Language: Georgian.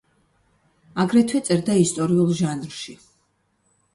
აგრეთვე წერდა ისტორიულ ჟანრში.